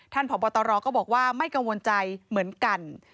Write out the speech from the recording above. ท่านพรหมตอมรก็บอกว่าไม่กังวลใจเหมือนกัน